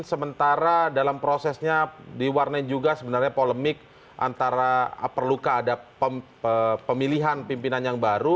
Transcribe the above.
sementara dalam prosesnya diwarnai juga sebenarnya polemik antara perlukah ada pemilihan pimpinan yang baru